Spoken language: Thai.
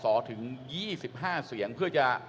๒๕เสียงเพื่อจะ